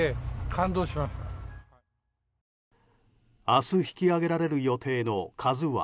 明日引き揚げられる予定の「ＫＡＺＵ１」。